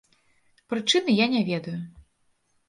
Прычыны я не ведаю.